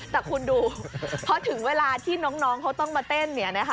แต่คุณดูเพราะถึงเวลาที่น้องเขาต้องมาเต้น